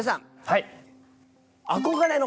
はい！